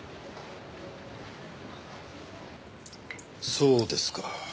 そうですか。